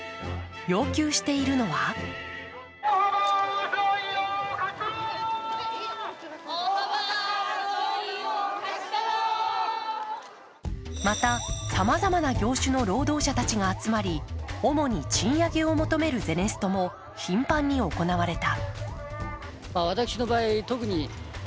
要求しているのはまた、さまざまな業種の労働者たちが集まり主に賃上げを求めるゼネストも頻繁に行われた。